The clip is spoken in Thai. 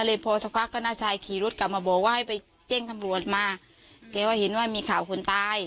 เห็นว่าเป็นผู้หญิงนะเพราะเขาไว้ผม